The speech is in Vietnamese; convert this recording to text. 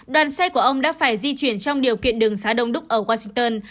đoàn xe của ông đã phải di chuyển trong điều kiện đường xá đông đúc ở washington